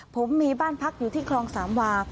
ผมมีบ้านพักอยู่ที่คลองสามวา